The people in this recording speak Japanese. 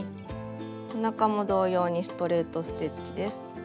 おなかも同様にストレート・ステッチです。